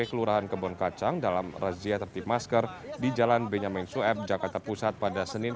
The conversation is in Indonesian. kelurahan kebonkacang dalam razia tertip masker di jalan benyaminsuab jakarta pusat pada senin